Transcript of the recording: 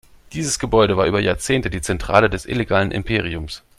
Dieses Gebäude war über Jahrzehnte die Zentrale des illegalen Imperiums.